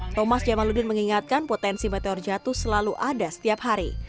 thomas jamaluddin mengingatkan potensi meteor jatuh selalu ada setiap hari